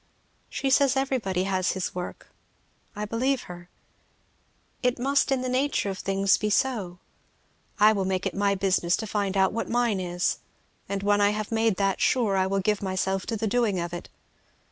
She says everybody has his work, I believe her. It must in the nature of things be so. I will make it my business to find out what mine is, and when I have made that sure I will give myself to the doing of it.